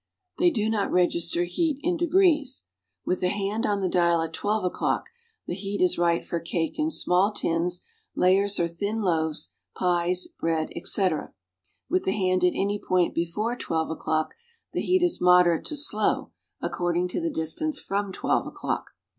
They do not register heat in degrees. With the hand on the dial at hi o'clock tlie heat is right for cake in small tins, laj'ers or thin loaves, pies, bread, etc. Wifli the hand at any point before 12 o'clock the heat is moderate to slow according to the distance from 1'2 o'clock.